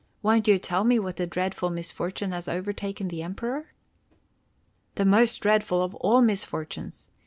Won't you tell me what dreadful misfortune has overtaken the Emperor?" "The most dreadful of all misfortunes!